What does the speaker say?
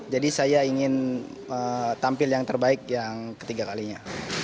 jadi saya ingin tampil yang terbaik yang ketiga kalinya